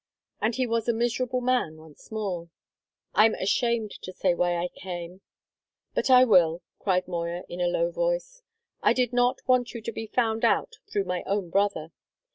and he was a miserable man once more. "I'm ashamed to say why I came but I will!" cried Moya in a low voice. "I did not want you to be found out through my own brother.